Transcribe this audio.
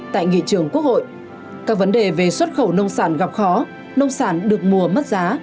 tại nghị trường quốc hội các vấn đề về xuất khẩu nông sản gặp khó nông sản được mùa mất giá